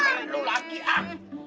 ntar lu lagi ah